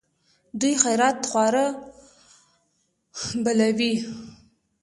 دوی خیرات خواره بلوي.